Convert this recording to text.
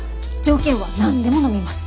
条件は何でものみます！